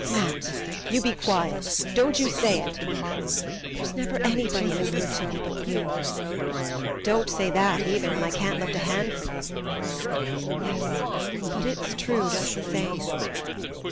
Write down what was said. "Matt! You be quiet! Don't you say it." "There's never anybody been good to me but you." "Don't say that either, when I can't lift a hand for you!" "Yes; but it's true just the same."